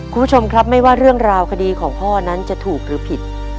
คุณผู้ชมครับไม่ว่าเรื่องราวคดีของพ่อนั้นจะถูกหรือผิด